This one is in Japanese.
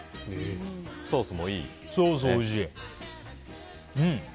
ソースおいしい。